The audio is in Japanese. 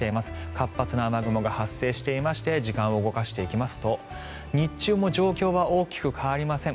活発な雨雲が発生していまして時間を動かしていきますと日中も状況は大きく変わりません。